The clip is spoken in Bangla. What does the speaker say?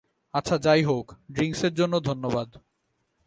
আচ্ছা, যাই হউক, ড্রিংকসের জন্য ধন্যবাদ।